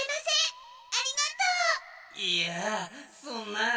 いやあそんなあ。